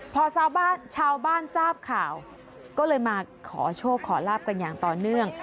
พอชาวบ้านชาวบ้านทราบข่าวก็เลยมาขอโชคขอลาบกันอย่างต่อเนื่อง